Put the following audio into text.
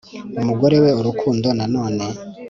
umugore we urukundo nanone